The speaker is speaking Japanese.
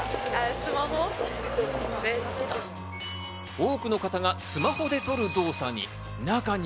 多くの方がスマホで撮る動作に。